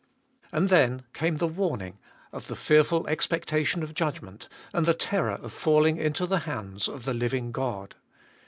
And then came the warning of the fearful expecta tion of judgment, and the terror of falling into the hands of the living God.